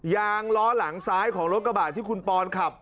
ยางล้อหลังซ้ายของรถกระบะที่คุณปอนขับ